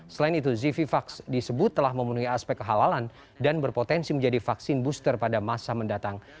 selain itu zivivax disebut telah memenuhi aspek kehalalan dan berpotensi menjadi vaksin booster pada masa mendatang